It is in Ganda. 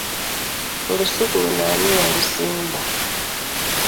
Olusuku luno ani ylusimba?